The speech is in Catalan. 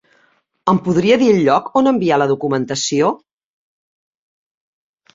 Em podria dir el lloc on enviar la documentació?